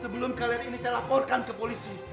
sebelum kalian ini saya laporkan ke polisi